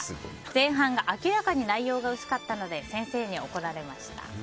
前半が明らかに内容が薄かったので先生に怒られました。